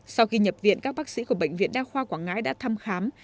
sau khi nhập viện các bác sĩ của bệnh viện đa khoa quảng ngãi đã thăm khám